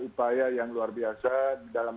upaya yang luar biasa dalam